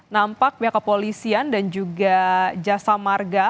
nampak pihak kepolisian dan juga jasa marga